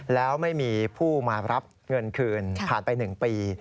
แล้วไม่มีผู้มารับเงินคืนผ่านไป๑ปี